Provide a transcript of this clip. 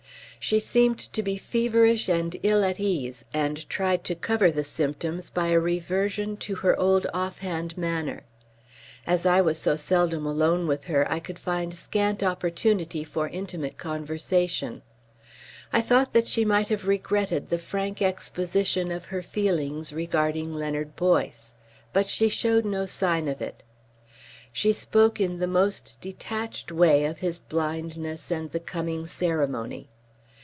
She seemed to be feverish and ill at ease, and tried to cover the symptoms by a reversion to her old offhand manner. As I was so seldom alone with her I could find scant opportunity for intimate conversation. I thought that she might have regretted the frank exposition of her feelings regarding Leonard Boyce. But she showed no sign of it. She spoke in the most detached way of his blindness and the coming ceremony.